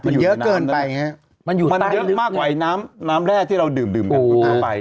มันเยอะเกินไปมันเยอะมากกว่าน้ำแร่ที่เราดื่มกับพูดไป